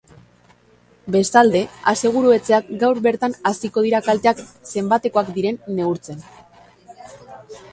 Bestalde, aseguru-etxeak gaur bertan hasiko dira kalteak zenbatekoak diren neurtzen.